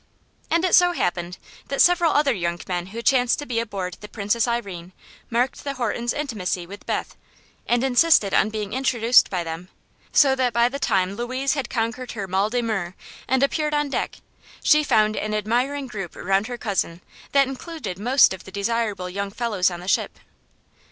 And it so happened that several other young men who chanced to be aboard the "Princess Irene" marked the Hortons' intimacy with Beth and insisted on being introduced by them, so that by the time Louise had conquered her mal de mer and appeared on deck, she found an admiring group around her cousin that included most of the desirable young fellows on the ship.